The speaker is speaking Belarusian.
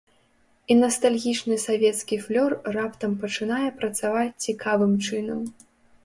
І настальгічны савецкі флёр раптам пачынае працаваць цікавым чынам.